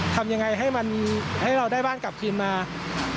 ทำยังไงให้มันให้เราได้บ้านกลับคืนมา